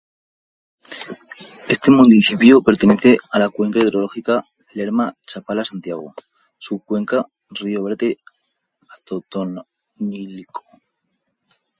Este municipio pertenece a la cuenca hidrológica Lerma-Chapala-Santiago, subcuenca río Verde Atotonilco.